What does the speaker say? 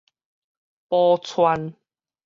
寶釧